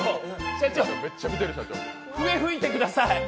社長、笛吹いてください。